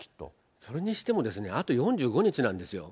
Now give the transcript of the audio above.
それにしてもあと４５日なんですよ。